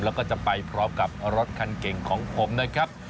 แล้วก็จะไปพร้อมกับรถคันเก่งของผมนะครับ